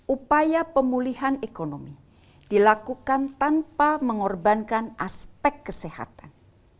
upaya pemulihan ekonomi dilakukan tanpa mengorbankan aspek kesehatan